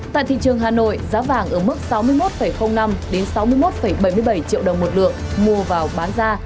tại thị trường hà nội giá vàng ở mức sáu mươi một năm sáu mươi một bảy mươi bảy triệu đồng một lượng mua vào bán ra